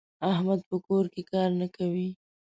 احمد په کور کې کار نه کوي.